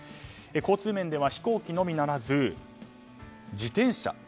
交通面では飛行機のみならず自転車も。